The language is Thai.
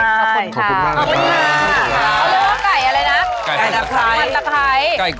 ใช่ขอบคุณค่ะขอบคุณมาก